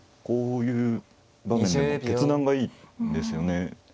こういう場面でも決断がいいですよね。